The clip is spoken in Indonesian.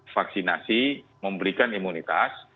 vaksinasi memberikan imunitas